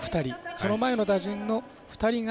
その前の打順の２人が